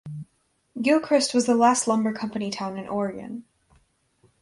Gilchrist was the last lumber company town in Oregon.